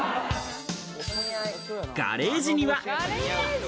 ガレージには。